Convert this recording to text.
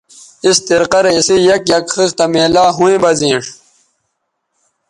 اِس طریقہ رے اسئ یک یک خِختہ میلاو ھویں بہ زینݜ